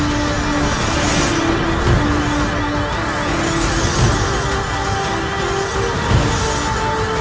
sekarang mungkin kalian harus blogging ke besides